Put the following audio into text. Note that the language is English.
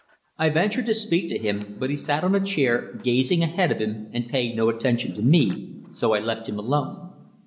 I ventured to speak to him; but he sat on a chair, gazing ahead of him and paying no attention to me, so I left him alone.